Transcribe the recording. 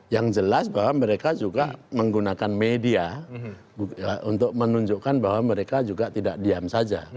yang jelas bahwa mereka juga menggunakan media untuk menunjukkan bahwa mereka juga tidak diam saja